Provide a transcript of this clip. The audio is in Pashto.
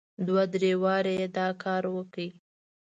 دوه درې واره یې دا کار وکړ.